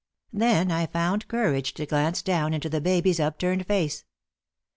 Then I found courage to glance down into the baby's upturned face.